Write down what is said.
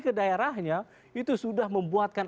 ke daerahnya itu sudah membuatkan